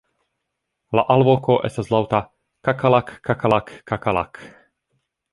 La alvoko estas laŭta "kakalak-kakalak-kakalak".